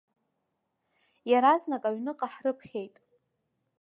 Иаразнак аҩныҟа ҳрыԥхьеит.